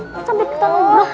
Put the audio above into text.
kita berikutan dulu